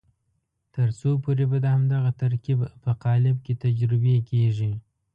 تر څو پورې به د همدغه ترکیب په قالب کې تجربې کېږي.